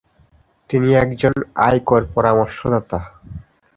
তিনি একজন আয়কর পরামর্শদাতা।